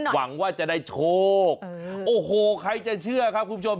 หวังว่าจะได้โชคโอ้โหใครจะเชื่อครับคุณผู้ชม